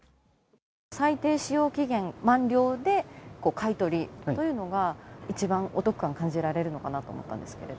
最低使用期限満了で買い取りというのは一番お得感を感じられるのかなと思ったんですけど。